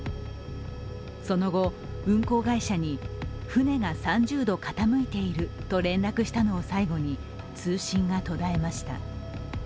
その後、運航会社に船が３０度傾いていると連絡したのを最後に通信が途絶えました。